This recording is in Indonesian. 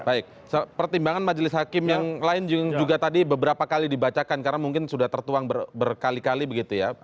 baik pertimbangan majelis hakim yang lain juga tadi beberapa kali dibacakan karena mungkin sudah tertuang berkali kali begitu ya